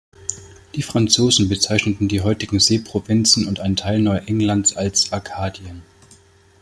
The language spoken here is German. Die Franzosen bezeichneten die heutigen Seeprovinzen und einen Teil Neuenglands als Akadien.